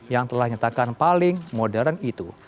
yang telah nyatakan paling modern itu